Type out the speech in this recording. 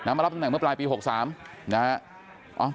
มารับตำแหนเมื่อปลายปี๖๓นะฮะ